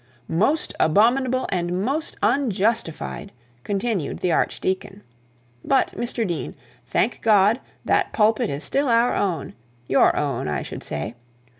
'Most abominable, and most unjustifiable,' continued the archdeacon. 'But, Mr Dean, thank God, that pulpit is still our own: your own, I should say.